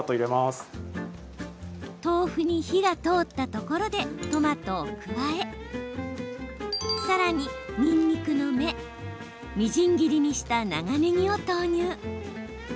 豆腐に火が通ったところでトマトを加えさらに、にんにくの芽みじん切りにした長ねぎを投入。